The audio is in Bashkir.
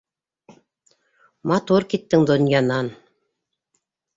Матур киттең донъянан.